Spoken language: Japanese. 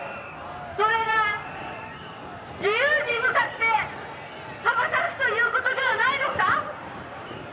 「それが自由に向かって羽ばたくという事ではないのか？」